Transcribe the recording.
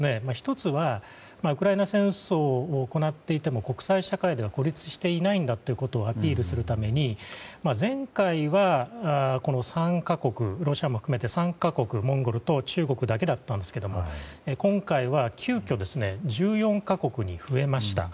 １つはウクライナ戦争を行っていても国際社会では孤立していないんだということをアピールするために前回は、参加国はロシアも含めてモンゴルと中国だけだったんですが今回は急きょ１４か国に増えました。